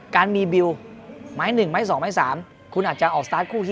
การมีบิวไม้๑ไม้๒ไม้๓คุณอาจจะออกสตาร์ทคู่ที่๒